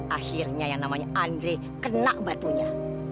akhirnya yang namanya andre kena batunya